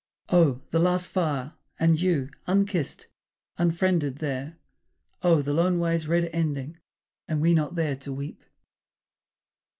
Oh, the last fire and you, unkissed, unfriended there! Oh, the lone way's red ending, and we not there to weep!